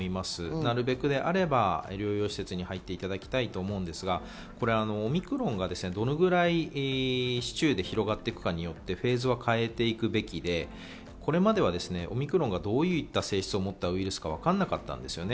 なるべくであれば療養施設に入っていただきたいと思うんですが、オミクロンがどのくらい市中で広がっていくかによってフェーズは変えていくべきで、これまではオミクロンがどういった性質を持ったウイルスかわからなかったんですね。